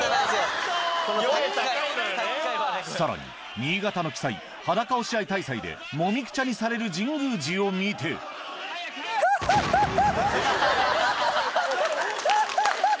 さらに新潟の奇祭裸押合大祭でもみくちゃにされる神宮寺を見てハハハハ！